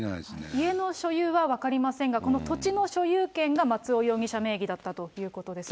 家の所有は分かりませんが、この土地の所有権が松尾容疑者名義だったということですね。